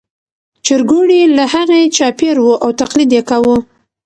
چرګوړي له هغې چاپېر وو او تقلید یې کاوه.